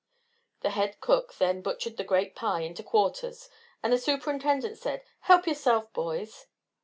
The head cook then butchered the great pie into quarters, and the Superintendent said, "Help yourself, boys."